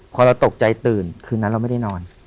พอเราตกใจตื่นคืนนั้นเราไม่ได้นอน